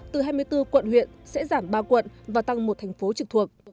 từ hai mươi bốn quận huyện sẽ giảm ba quận và tăng một thành phố trực thuộc